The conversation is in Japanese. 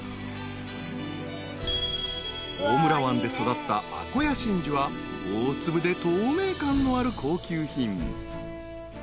［大村湾で育ったアコヤ真珠は大粒で透明感のある高級品］